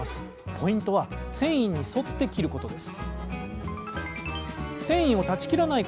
ポイントは繊維に沿って切ることです